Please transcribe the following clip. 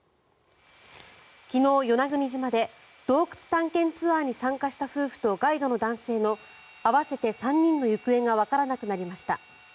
昨日、与那国島で洞窟探検ツアーに参加した夫婦とガイドの男性の合わせて３人の行方がわからなくなりました。